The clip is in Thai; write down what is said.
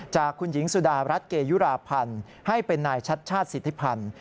จากคุณหญิงสุดารัฐเกยุราพันธ์ให้เป็นนายชัดชาติสิทธิพันธ์